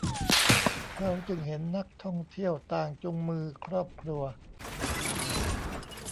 เราจึงเห็นนักท่องเที่ยวต่างจูงมือครอบครัว